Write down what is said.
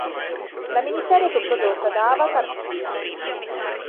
La miniserie fu prodotta da Avatar Film.